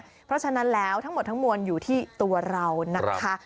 เพราะฉะนั้นแล้วทั้งหมดทั้งมวลอยู่ที่ตัวเรานะคะ